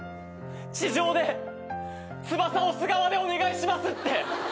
地上で翼押す側でお願いしますって。